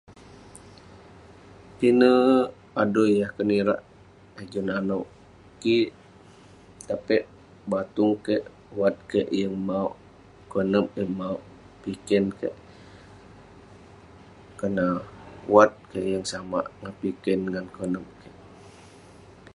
Pinek adui yah kenirak eh juk nanouk kik..tapik batung ke'ik wat ke'ik yeng mauk, konep yeng mauk..piken ke'ik..kerna wat ke'ik yeng samak ngan piken ngan konep kik..